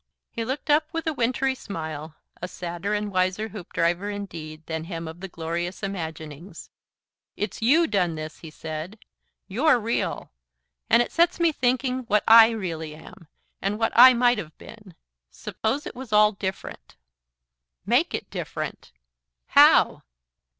He looked up with a wintry smile, a sadder and wiser Hoopdriver indeed than him of the glorious imaginings. "It's YOU done this," he said. "You're real. And it sets me thinking what I really am, and what I might have been. Suppose it was all different " "MAKE it different." "How?"